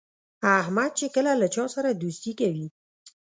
احمد چې کله له چا سره دوستي کوي،